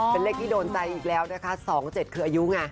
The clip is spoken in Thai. เป็นเลขที่โดนใจอีกแล้วนะคะ๒๗คืออายุไง